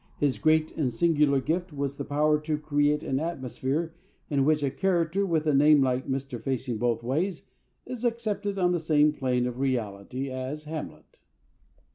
His great and singular gift was the power to create an atmosphere in which a character with a name like Mr. Facing both ways is accepted on the same plane of reality as Hamlet.